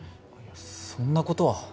いやそんなことは。